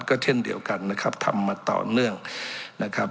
ก็เช่นเดียวกันนะครับทำมาต่อเนื่องนะครับ